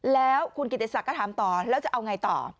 แล้วคุณกิติศักดิ์ก็ถามต่อแล้วจะเอาไงต่อ